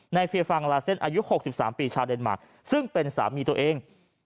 เฟียฟังลาเซ่นอายุ๖๓ปีชาวเดนมาร์ซึ่งเป็นสามีตัวเอง